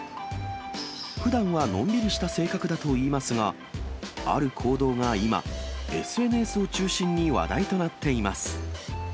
ふだんはのんびりした性格だといいますが、ある行動が今、ＳＮＳを中心に話題となっています。